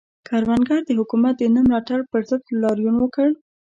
کروندګرو د حکومت د نه ملاتړ پر ضد لاریون وکړ.